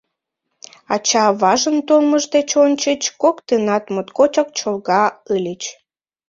Ача-аважын толмышт деч ончыч коктынат моткочак чолга ыльыч.